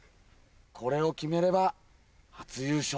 これを決めれば初優勝。